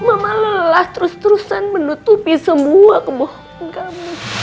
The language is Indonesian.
mama lelah terus terusan menutupi semua kebohongan kamu